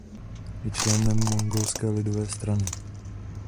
Je členem Mongolské lidové strany.